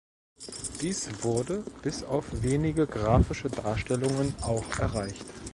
Dies wurde bis auf wenige graphische Darstellungen auch erreicht.